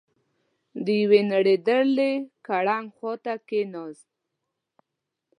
د يوې نړېدلې ګړنګ خواته کېناست.